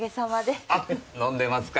あ飲んでますか？